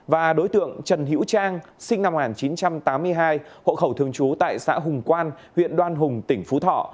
và đối tượng trần hữu trang sinh năm một nghìn chín trăm tám mươi hai hộ khẩu thường trú tại xã hùng quan huyện đoan hùng tỉnh phú thọ